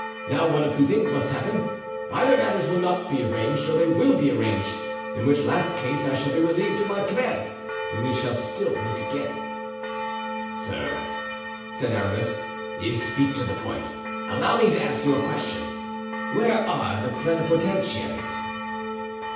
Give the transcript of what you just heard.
Now one of two things must happen: either matters will not be arranged, or they will be arranged, in which last case I shall be relieved of my command and we shall still meet again." "Sir," said Aramis, "you speak to the point. Allow me to ask you a question: Where are the plenipotentiaries?"